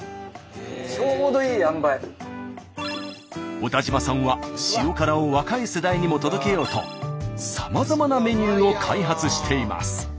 小田島さんは塩辛を若い世代にも届けようとさまざまなメニューを開発しています。